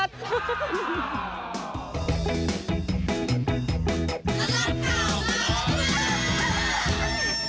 ช่วงหน้าห้ามพลาด